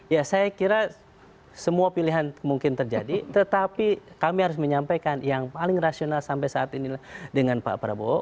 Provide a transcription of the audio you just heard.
ya saya kira semua pilihan mungkin terjadi tetapi kami harus menyampaikan yang paling rasional sampai saat ini dengan pak prabowo